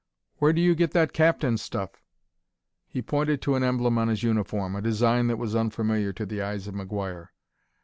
Where do you get that captain stuff?" He pointed to an emblem on his uniform, a design that was unfamiliar to the eyes of McGuire.